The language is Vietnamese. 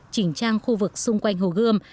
chỉnh trang khu vực xung quanh hồ gươm